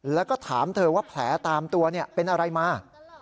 แล้วก็ถามเธอว่าแผลตามตัวเป็นอะไรมา